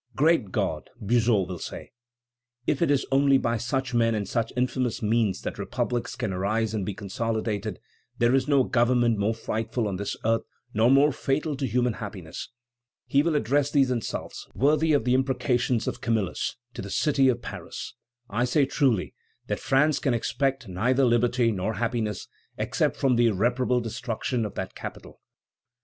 "Great God!" Buzot will say, "if it is only by such men and such infamous means that republics can arise and be consolidated, there is no government more frightful on this earth nor more fatal to human happiness." He will address these insults, worthy of the imprecations of Camillus, to the city of Paris: "I say truly, that France can expect neither liberty nor happiness except from the irreparable destruction of that capital."